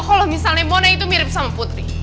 kalau misalnya mona itu mirip sama putri